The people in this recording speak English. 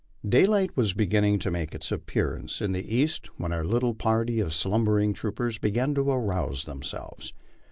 Daylight was beginning to make its appearance in the east when our little party of slumbering troopers began to arouse themselves.